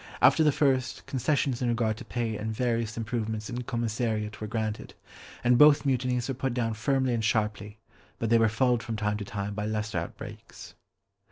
After the first, concessions in regard to pay and various improvements in commissariat were granted; and both mutinies were put down firmly and sharply, but they were followed from time to time by lesser outbreaks.